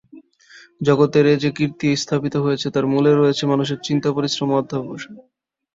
জগতের এত যে কীর্তি স্থাপিত হয়েছে তার মূলে রয়েছে মানুষের চিন্তা, পরিশ্রম ও অধ্যবসায়।